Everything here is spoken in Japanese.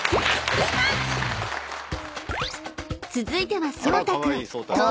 ［続いては］